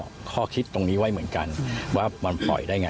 ก็ข้อคิดตรงนี้ไว้เหมือนกันว่ามันปล่อยได้ไง